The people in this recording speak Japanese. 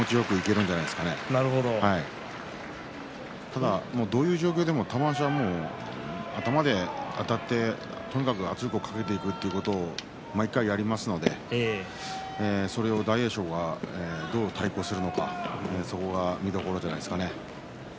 ただ、どういう状況でも玉鷲は頭であたって圧力をかけていくということ毎回、やりますのでそれを大栄翔がどう対抗するのかそこが見どころじゃないですかね。